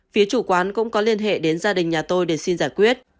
phía chủ quán cũng có liên hệ đến gia đình nhà tôi để xin giải quyết